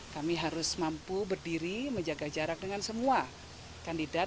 kami harus mampu berdiri menjaga jarak dengan semua kandidat